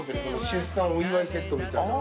出産お祝いセットみたいな。